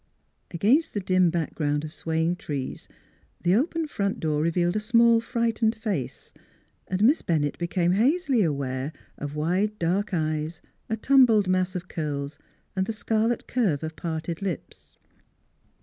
Against the dim background of swaying trees the open front door revealed a small, frightened face, and Miss Bennett became hazily aware of wide dark eyes, a tumbled mass of curls, and the scarlet curve of parted lips.